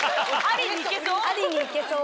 ありにいけそう？